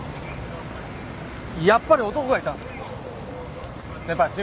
やっぱり男がいたんですよ。